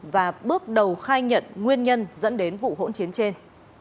và bước đầu khai nhận nguyên nhân dẫn đến vụ hỗn chiến trên